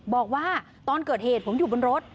บอกว่าตอนเกิดเหตุผมอยู่บนรถ